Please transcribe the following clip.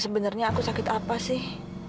sebenarnya aku sakit apa sih